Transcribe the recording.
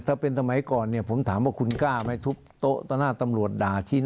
ถ้าเป็นทำไมก่อนเนี่ยผมถามว่าคุณกล้าไหมทุบโต๊ะตะหน้าตำรวจ